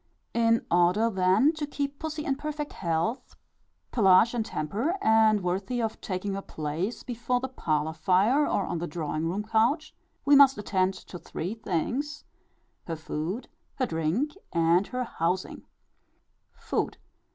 In order, then, to keep pussy in perfect health, pelage, and temper, and worthy of taking her place before the parlour fire, or on the drawing room couch, we must attend to three things, viz., her food, her drink, and her housing. FOOD.